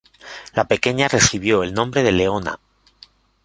La pequeña recibió el nombre de Leona.